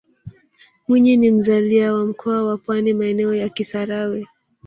mwinyi ni mzalia wa mkoa wa pwani maeneo ya kisarawe